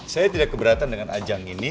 saya tidak keberatan dengan ajang ini